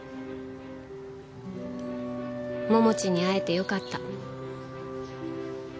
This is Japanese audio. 桃地に会えてよかった。